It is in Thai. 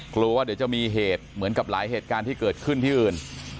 กลัวว่าเดี๋ยวจะมีเหตุเหมือนกับหลายเหตุการณ์ที่เกิดขึ้นที่อื่น